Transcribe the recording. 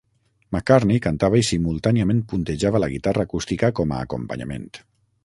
McCartney cantava i simultàniament puntejava la guitarra acústica com a acompanyament.